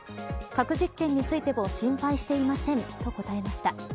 核実験についても心配していませんと答えました。